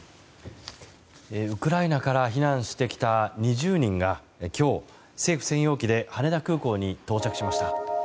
ウクライナから避難してきた２０人が今日、政府専用機で羽田空港に到着しました。